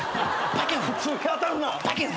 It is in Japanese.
普通に当たるな！